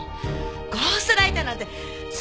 ゴーストライターなんてそんな！